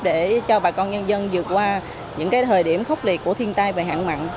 để cho bà con nhân dân vượt qua những thời điểm khốc liệt của thiên tai và hạn mặn